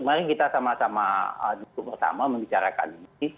mari kita sama sama di pertama membicarakan ini